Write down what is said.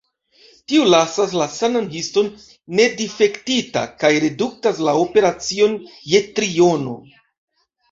Tio lasas la sanan histon nedifektita kaj reduktas la operaciojn je triono.